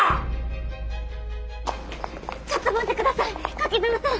ちょっと待ってください柿沢さん！